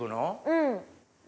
うん。